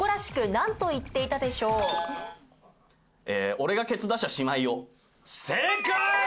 俺がケツだしゃしまいよ。正解！